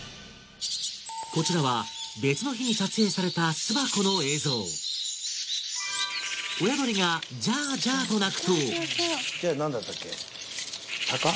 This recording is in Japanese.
こちらは別の日に撮影された巣箱の映像親鳥が「ジャージャー」と鳴くとジャーなんだったっけ鷹？